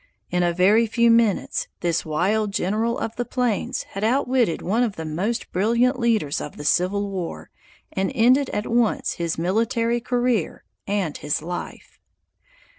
In a very few minutes, this wild general of the plains had outwitted one of the most brilliant leaders of the Civil War and ended at once his military career and his life.